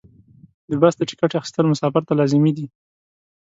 د بس د ټکټ اخیستل مسافر ته لازمي دي.